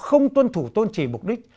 không tuân thủ tôn trì mục đích